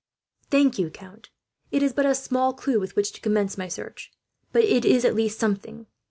"Thank you, count. It is but a small clue with which to commence my search, but it is at least something.